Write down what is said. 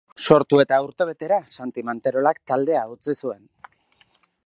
Sortu eta urtebetera, Santi Manterolak taldea utzi zuen.